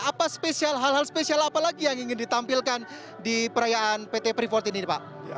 apa spesial hal hal spesial apa lagi yang ingin ditampilkan di perayaan pt freeport ini pak